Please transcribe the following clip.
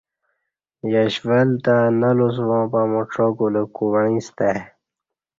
یش ول تں نہ لوس واں پمو ڄاکولہ کو وعیں ستہ ا ی